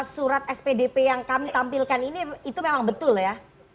surat spdp yang kami tampilkan ini itu memang betul ya